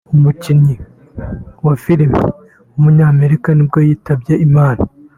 umukinnyi wa film w’umunyamerika nibwo yitabye Imana